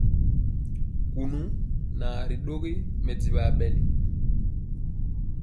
Kunu naa ri dɔgi mɛdivɔ aɓɛli.